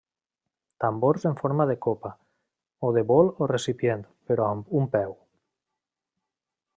Tambors en forma de copa, o de bol o recipient, però amb un peu.